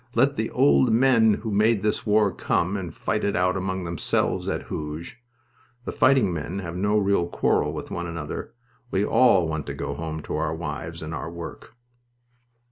Let the old men who made this war come and fight it out among themselves, at Hooge. The fighting men have no real quarrel with one another. We all want to go home to our wives and our work."